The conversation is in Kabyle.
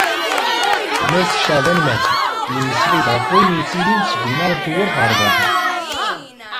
Mass Caɛban Mahdi, yemmeslay-d ɣef wayen yettilin seg umnar n tewwurt ɣer daxel.